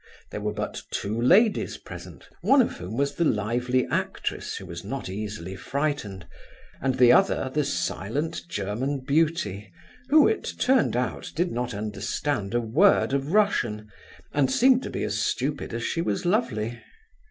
There were but two ladies present; one of whom was the lively actress, who was not easily frightened, and the other the silent German beauty who, it turned out, did not understand a word of Russian, and seemed to be as stupid as she was lovely.